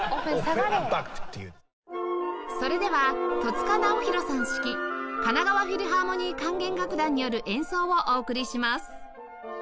それでは十束尚宏さん指揮神奈川フィルハーモニー管弦楽団による演奏をお送りします